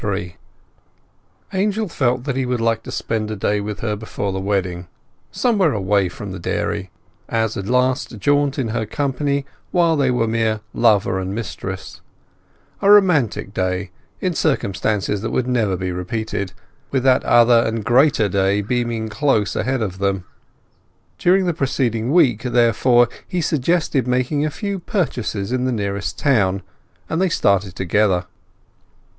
XXXIII Angel felt that he would like to spend a day with her before the wedding, somewhere away from the dairy, as a last jaunt in her company while there were yet mere lover and mistress; a romantic day, in circumstances that would never be repeated; with that other and greater day beaming close ahead of them. During the preceding week, therefore, he suggested making a few purchases in the nearest town, and they started together.